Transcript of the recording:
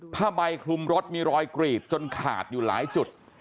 ผ้าใบคลุมรถมีรอยกรีดจนขาดอยู่หลายจุด